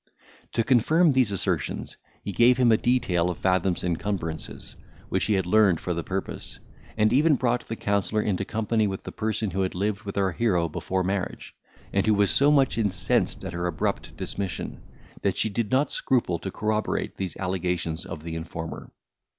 To confirm these assertions, he gave him a detail of Fathom's encumbrances, which he had learned for the purpose, and even brought the counsellor into company with the person who had lived with our hero before marriage, and who was so much incensed at her abrupt dismission, that she did not scruple to corroborate these allegations of the informer.